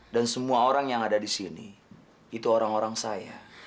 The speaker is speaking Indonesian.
dan semua orang yang ada di sini itu orang orang saya